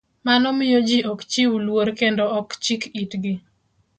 Mano miyo ji ok chiw luor kendo ok chik itgi